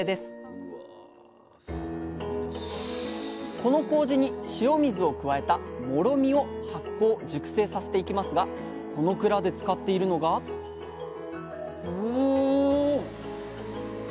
このこうじに塩水を加えたもろみを発酵・熟成させていきますがこの蔵で使っているのがお！